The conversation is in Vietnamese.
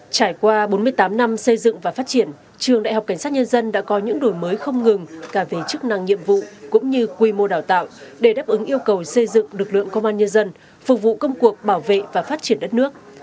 trải qua bốn mươi tám năm xây dựng và phát triển trường đại học cảnh sát nhân dân đã có những đổi mới không ngừng cả về chức năng nhiệm vụ cũng như quy mô đào tạo để đáp ứng yêu cầu xây dựng lực lượng công an nhân dân phục vụ công cuộc bảo vệ và phát triển đất nước